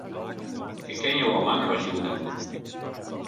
Ik ken jo al langer as hjoed en moarn.